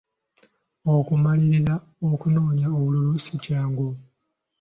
Okumalirira okunoonya obululu si kyangu.